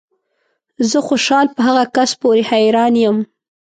زه خوشحال په هغه کس پورې حیران یم